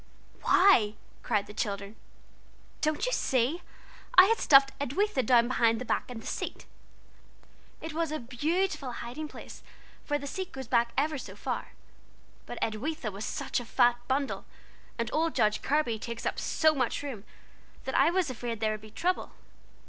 '" "Why?" cried the children. "Don't you see? I had stuffed 'Edwitha' down between the back and the seat. It was a _beau_tiful hiding place, for the seat goes back ever so far; but Edwitha was such a fat bundle, and old Judge Kirby takes up so much room, that I was afraid there would be trouble.